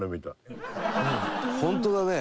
ホントだね。